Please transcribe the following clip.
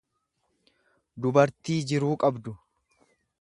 dubartii jiruu qabdu.